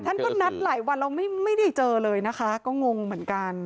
ท่านก็นัดหลายวันเราไม่ได้เจอเลยนะคะก็งงเหมือนกัน